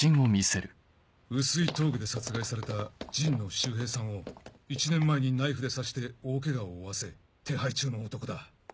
碓氷峠で殺害された陣野修平さんを１年前にナイフで刺して大ケガを負わせ手配中の男だ。